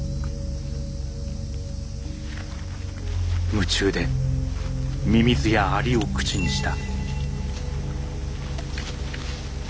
夢中でミミズやアリを口にした。